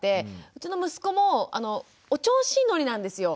うちの息子もお調子乗りなんですよ。